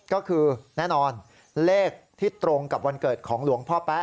ก็คือแน่นอนเลขที่ตรงกับวันเกิดของหลวงพ่อแป๊